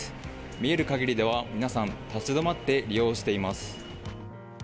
見える限りでは皆さん立ち止まって利用しています。